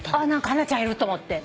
ハナちゃんいると思って？